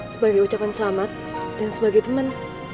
sebagai ucapan selamat dan sebagai teman